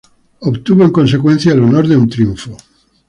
Obtuvo, en consecuencia, el honor de un triunfo.